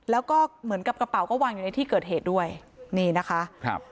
แล้วก็เหมือนกับกระเป๋าก็วางอยู่ในที่เกิดเหตุด้วยนี่นะคะครับ